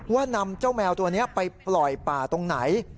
นำเจ้าแมวตัวนี้ไปปล่อยป่าตรงไหน